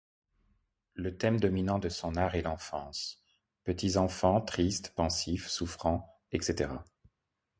Le thème dominant de son art est l'enfance: petits enfants tristes, pensifs, souffrants, etc.